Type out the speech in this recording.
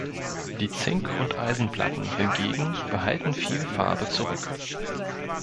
Die Zink- und Eisenplatten hingegen behalten viel Farbe zurück.